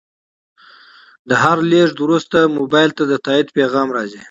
د هر لیږد وروسته موبایل ته د تایید پیغام راځي.